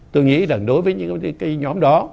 tôi nghĩ rằng đối với những nhóm đó